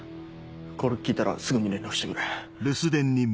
これ聞いたらすぐに連絡してくれ。